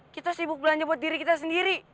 kita sibuk belanja buat diri kita sendiri